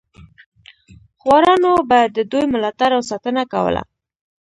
خوارانو به د دوی ملاتړ او ساتنه کوله.